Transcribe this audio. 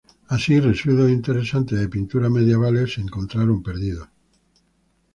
Así residuos interesantes de pinturas medievales fueron perdidos.